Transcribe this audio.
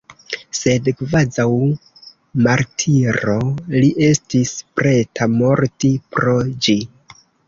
Sed kvazaŭ martiro li estis preta morti pro ĝi.